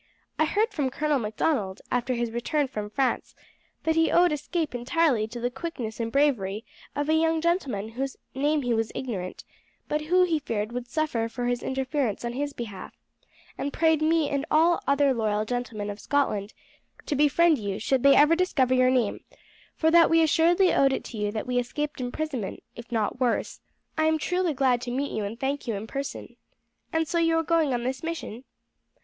"I heard from Colonel Macdonald, after his return from France, that he owed his escape entirely to the quickness and bravery of a young gentleman of whose name he was ignorant, but who, he feared, would suffer for his interference on his behalf, and prayed me and all other loyal gentlemen of Scotland to befriend you should they ever discover your name, for that we assuredly owed it to you that we escaped imprisonment, if not worse. I am truly glad to meet you and thank you in person. And so you are going on this mission?"